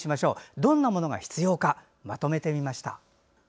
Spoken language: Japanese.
どんなものが必要かまとめてみました。